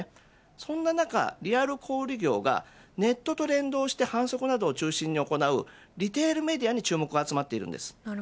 その中、リアル小売業がネットと連動して販促などを行うリテールメディアに注目が集まっています。